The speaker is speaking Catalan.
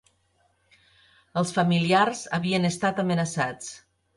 Els familiars havien estat amenaçats